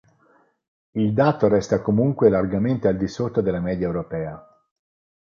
Il dato resta comunque largamente al di sotto della media europea.